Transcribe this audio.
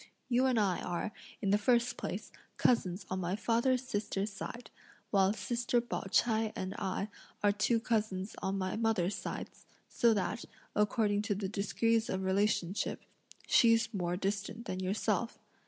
You and I are, in the first place, cousins on my father's sister's side; while sister Pao ch'ai and I are two cousins on mother's sides, so that, according to the degrees of relationship, she's more distant than yourself.